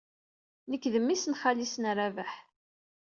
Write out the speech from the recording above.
Nekk d memmi-s n xali-s n Rabaḥ.